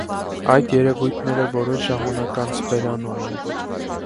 Այդ երևույթները որոշ ժամանակ անց վերանում են։